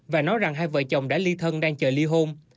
và nói rằng hai vợ chồng đã ly thân đang chờ ly hôn